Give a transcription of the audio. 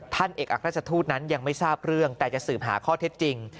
เอกอักราชทูตนั้นยังไม่ทราบเรื่องแต่จะสืบหาข้อเท็จจริง